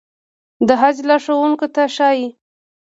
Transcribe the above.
د حج لارښوونکو ته ښايي.